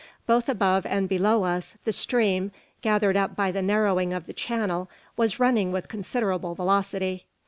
Both above and below us, the stream, gathered up by the narrowing of the channel, was running with considerable velocity.